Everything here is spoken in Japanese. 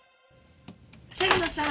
芹野さん。